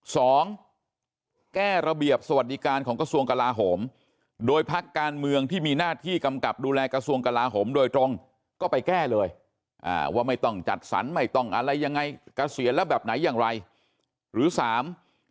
สองแก้ระเบียบสวัสดิการของกระทรวงกราลาหม